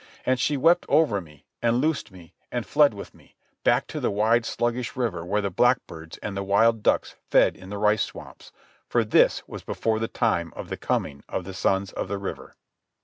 And she wept over me, and loosed me, and fled with me, back to the wide sluggish river where the blackbirds and wild ducks fed in the rice swamps—for this was before the time of the coming of the Sons of the River.